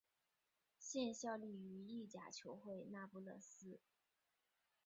现效力于意甲球会那不勒斯。